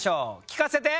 聞かせて！